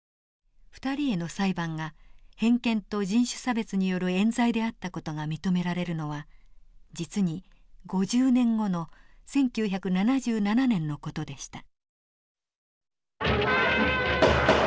２人への裁判が偏見と人種差別による寃罪であった事が認められるのは実に５０年後の１９７７年の事でした。